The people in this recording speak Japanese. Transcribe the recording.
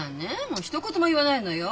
もうひと言も言わないのよ。